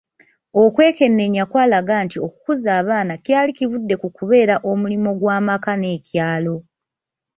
Okwekenneenya kwalaga nti okukuza abaana kyali kivudde ku kubeera omulimu gw’amaka n’ekyalo.